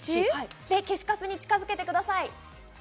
消しカスに近づけてください。